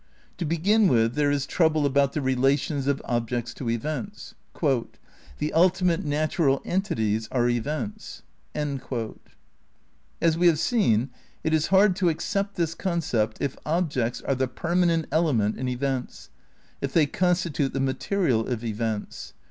To begin with there is trouble about the relations of objects to events. "The ultimate natural entities are events." As we have seen, it is hard to accept this concept if objects are the permanent element in events; if they constitute the material of events.